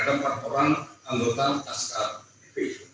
terhadap empat orang anggota laskar fpi